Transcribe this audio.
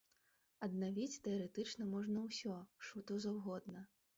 Аднавіць, тэарэтычна, можна ўсё, што заўгодна.